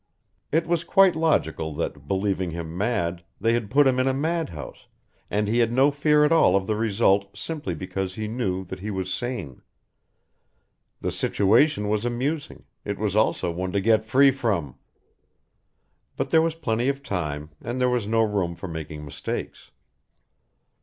It was quite logical that, believing him mad, they had put him in a mad house, and he had no fear at all of the result simply because he knew that he was sane. The situation was amusing, it was also one to get free from but there was plenty of time, and there was no room for making mistakes.